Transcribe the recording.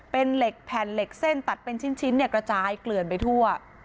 เป็นเหล็กแผ่นเหล็กเส้นตัดเป็นชิ้นเนี่ยกระจายเกลื่อนไปทั่ว